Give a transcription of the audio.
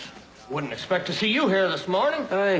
おい！